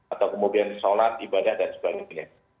atau kemudian sholat ibadah dan sebagainya